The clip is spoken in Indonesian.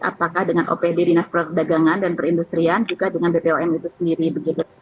apakah dengan opd dinas perdagangan dan perindustrian juga dengan bpom itu sendiri begitu